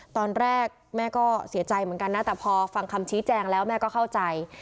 ตอนแรกแม่ก็เสียใจเหมือนกันนะแต่พอฟังคำชี้แจงแล้วแม่ก็เข้าใจ